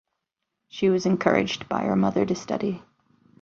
She was encouraged by her mother to study.